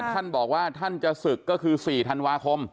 ท่านบอกว่าท่านจะศึกก็คือ๔ธันวาคม